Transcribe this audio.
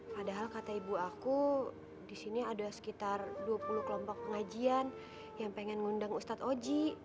padahal kata ibu aku disini ada sekitar dua puluh kelompok pengajian yang pengen ngundang ustadz oji